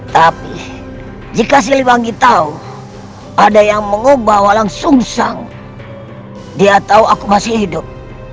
tapi jika siliwangi tahu ada yang mengubah langsung sang dia tahu aku masih hidup